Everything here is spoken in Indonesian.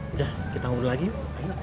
udah kita ngobrol lagi yuk